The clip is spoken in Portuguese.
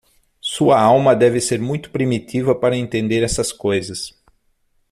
Sua alma deve ser muito primitiva para entender essas coisas.